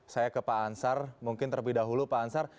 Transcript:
saya ke pak ansar mungkin terlebih dahulu pak ansar